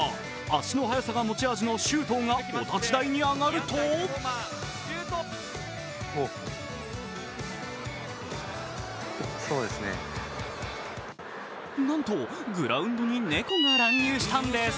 足の速さが持ち味の周東がお立ち台に上がるとなんとグラウンドに猫が乱入したんです。